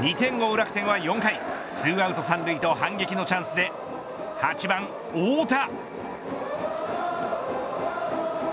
楽天は、４回２アウト三塁と反撃のチャンスで８番太田。